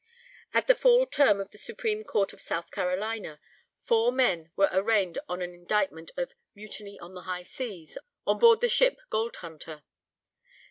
At the fall term of the Supreme Court of South Carolina, four men were arraigned on an indictment of "mutiny on the high seas," on board the ship Gold Hunter.